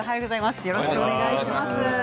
よろしくお願いします。